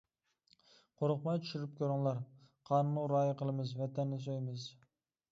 قورقماي چۈشۈرۈپ كۆرۈڭلار. قانۇنغا رىئايە قىلىمىز، ۋەتەننى سۆيىمىز.